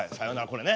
これね。